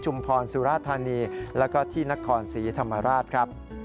พรสุราธานีแล้วก็ที่นครศรีธรรมราชครับ